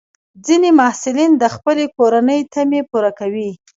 ځینې محصلین د خپلې کورنۍ تمې پوره کوي.